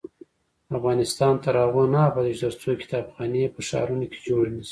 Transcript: افغانستان تر هغو نه ابادیږي، ترڅو کتابخانې په ښارونو کې جوړې نشي.